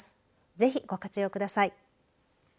ぜひご活用ください。